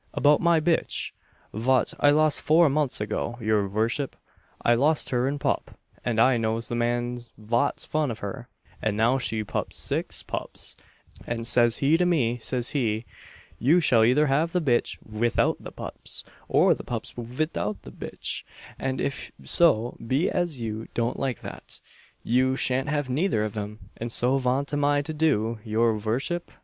"About my bitch, vaut I lost four months ago, your vurship. I lost her in pup, and I knows the man vaut's fun her, and now she's pupp'd six pups, and says he to me, says he, 'You shall either have the bitch vithout the pups, or the pups vithout the bitch; an if so be as you don't like that, you shan't have neither of 'em' and so vaut am I to do, your vurship?"